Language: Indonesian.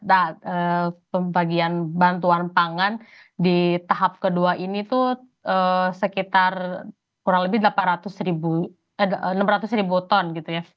data pembagian bantuan pangan di tahap kedua ini tuh sekitar kurang lebih enam ratus ribu ton gitu ya